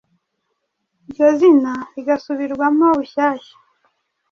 iryo zina rigasubirwamo bushyashya.